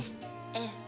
ええ。